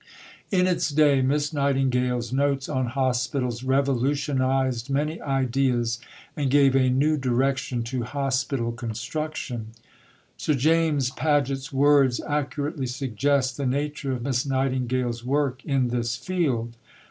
In its day Miss Nightingale's Notes on Hospitals revolutionized many ideas, and gave a new direction to hospital construction. Above, p. 383. Sir James Paget's words accurately suggest the nature of Miss Nightingale's work in this field.